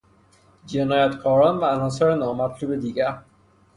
جنایتکاران و عناصر نامطلوب دیگر